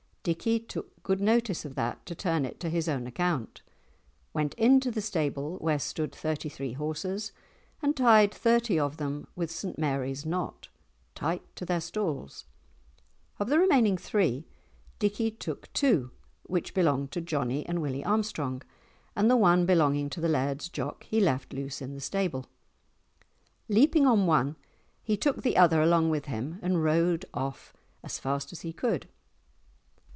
Dickie took good notice of that to turn it to his own account, went into the stable where stood thirty three horses and tied thirty of them with St Mary's knot, tight to their stalls. Of the remaining three, Dickie took two, which belonged to Johnie and Willie Armstrong, and the one belonging to the Laird's Jock he left loose in the stable. Leaping on one, he took the other along with him, and rode off as fast as he could.